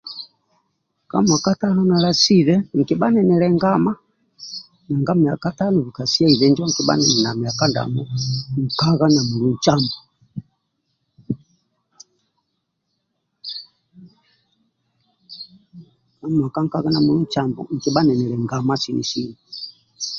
Ka mwaka tano nalasibe nkibha ninili ngama nanga mwaka tano bika siaibe nkibha ninili na mwaka nkagha namulu ncambu ka mwaka nkagha na mulu ncambu nkibha ninili ngama sini sini